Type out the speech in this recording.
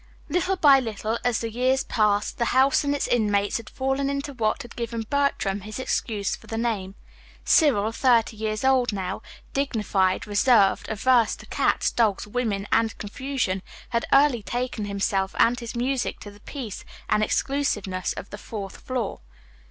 Little by little as the years passed, the house and its inmates had fallen into what had given Bertram his excuse for the name. Cyril, thirty years old now, dignified, reserved, averse to cats, dogs, women, and confusion, had early taken himself and his music to the peace and exclusiveness of the fourth floor.